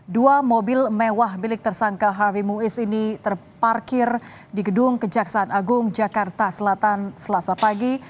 dua mobil mewah milik tersangka hafi muiz ini terparkir di gedung kejaksaan agung jakarta selatan selasa pagi